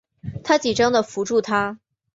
她紧张的扶住她